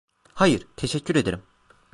Hayır, teşekkür ederim.